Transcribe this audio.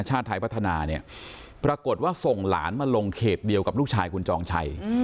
ชาติไทยพัฒนาเนี่ยปรากฏว่าส่งหลานมาลงเขตเดียวกับลูกชายคุณจองชัย